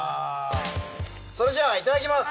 それじゃあいただきます。